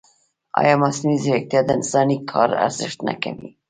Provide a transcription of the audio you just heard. ایا مصنوعي ځیرکتیا د انساني کار ارزښت نه کموي؟